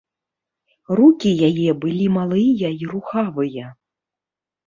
Рукі яе былі малыя і рухавыя.